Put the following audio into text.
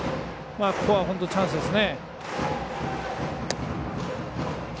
ここは本当にチャンスですね。